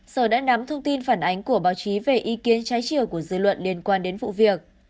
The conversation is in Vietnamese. sở đã nắm thông tin phản ánh của báo chí về ý kiến trái chiều của dư luận liên quan đến vụ việc